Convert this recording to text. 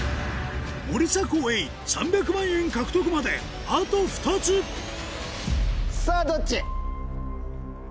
森迫永依３００万円獲得まであと２つさぁどっち？